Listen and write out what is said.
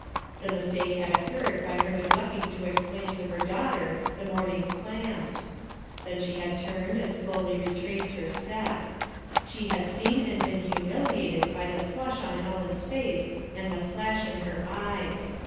The mistake had occurred by her neglecting to explain to her daughter the morning's plans. Then she had turned and slowly retraced her steps. She had seen and been humiliated by the flush on Ellen's face and the flash in her eyes.